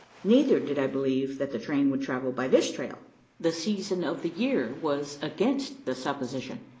Neither did I believe that the train would travel by this trail. The season of the year was against the supposition.